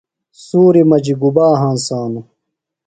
سُوری مجیۡ گُبا ہنسانوۡ؟